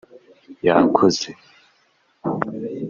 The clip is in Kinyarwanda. yakoze